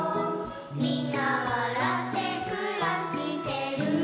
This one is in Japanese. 「みんなわらってくらしてる」